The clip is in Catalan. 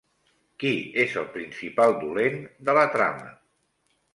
Qui és el principal dolent de la trama?